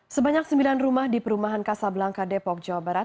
sebanyak sembilan rumah di perumahan kasablangka depok jawa barat